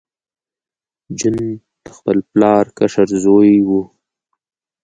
جون د خپل پلار کشر زوی و